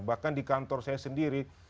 bahkan di kantor saya sendiri